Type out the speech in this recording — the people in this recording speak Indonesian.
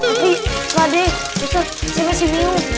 adik adik itu saya masih bingung